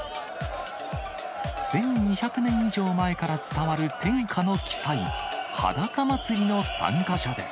１２００年以上前から伝わる天下の奇祭、はだか祭の参加者です。